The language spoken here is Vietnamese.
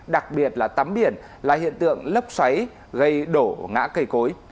đặc biệt là tắm biển là hiện tượng lấp xoáy gây đổ ngã cây cối